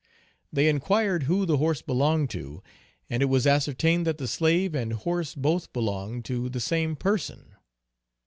They enquired who the horse belonged to, and it was ascertained that the slave and horse both belonged to the same person.